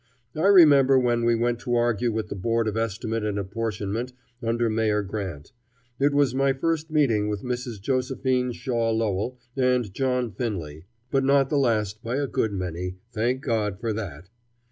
I remember when we went to argue with the Board of Estimate and Apportionment under Mayor Grant. It was my first meeting with Mrs. Josephine Shaw Lowell and John Finley, but not the last by a good many, thank God for that!